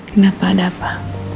kenapa ada apa